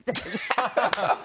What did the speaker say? ハハハハ！